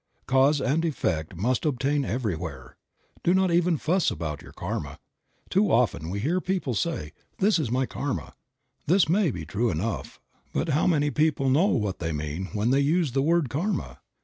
Cause and effect must obtain everywhere. Do not even fuss about your Karma; too often we hear people say, "This is my Karma." This may be true enough, but how many people know what they mean when they use the word Karma?